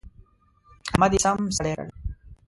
احمد يې سم سړی کړ.